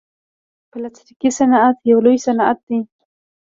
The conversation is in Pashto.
پلاستيکي صنعت یو لوی صنعت دی.